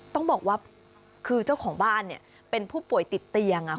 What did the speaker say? ต้องบอกว่าคือเจ้าของบ้านเป็นผู้ป่วยติดเตียง